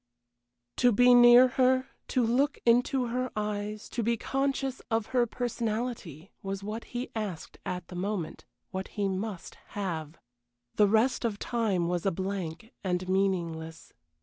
To be near her, to look into her eyes, to be conscious of her personality was what he asked at the moment, what he must have. The rest of time was a blank, and meaningless.